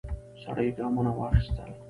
سړی ګامونه واخیستل.